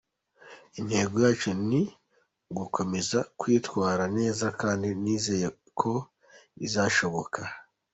Intego yacu ni ugukomeza kwitwara neza kandi nizeye ko bizashoboka.